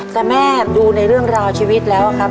แต่แม่ดูในเรื่องราวชีวิตแล้วครับ